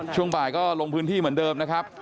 ช่วงบ่ายก็ลงพื้นที่เหมือนเดิมนะครับ